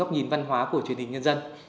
góc nhìn văn hóa của truyền hình nhân dân